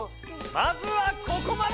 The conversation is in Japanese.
まずはここまで！